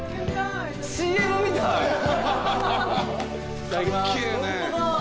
いただきます。